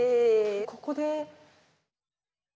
ここで？